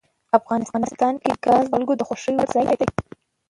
افغانستان کې ګاز د خلکو د خوښې وړ ځای دی.